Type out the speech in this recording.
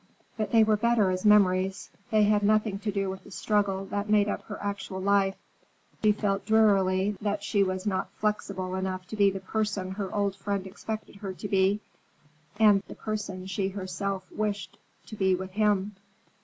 But they were better as memories. They had nothing to do with the struggle that made up her actual life. She felt drearily that she was not flexible enough to be the person her old friend expected her to be, the person she herself wished to be with him.